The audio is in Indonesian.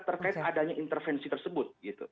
terkait adanya intervensi tersebut